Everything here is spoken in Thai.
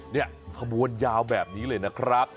นี่ขบวนยาวแบบนี้เลยนะครับ